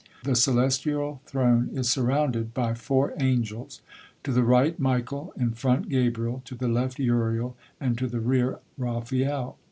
The celestial Throne is surrounded by four angels: to the right Michael, in front Gabriel, to the left Uriel, and to the rear Raphael.